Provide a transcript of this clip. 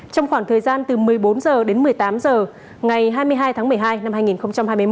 trong khoảng thời gian từ một mươi bốn h đến một mươi tám h ngày hai mươi hai tháng một mươi hai năm hai nghìn hai mươi một